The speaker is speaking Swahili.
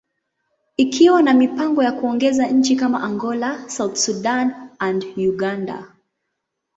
ikiwa na mipango ya kuongeza nchi kama Angola, South Sudan, and Uganda.